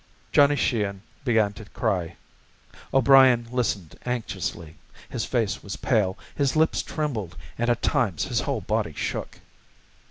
Johnny Sheehan began to cry. O'Brien listened anxiously. His face was pale. His lips trembled, and at times his whole body shook.